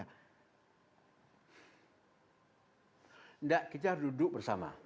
tidak kita duduk bersama